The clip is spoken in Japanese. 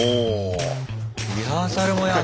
リハーサルもやんだ。